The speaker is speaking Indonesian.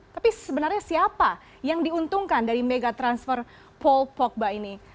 tapi sebenarnya siapa yang diuntungkan dari mega transfer paul pogba ini